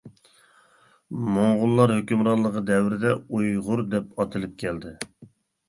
موڭغۇللار ھۆكۈمرانلىقى دەۋرىدە «ئۇيغۇر» دەپ ئاتىلىپ كەلدى.